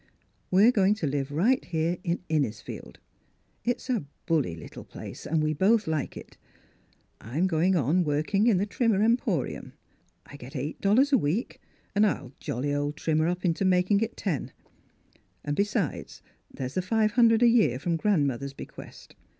We're going to live right here in Innisfield. It's a bully little place and we both like it. I'm going on working in the Trimmer Em porium. I get eight dollars a week, and I'll jolly old Trimmer up into making it ten ; and besides there's the five hun dred a year from grandmother's bequest.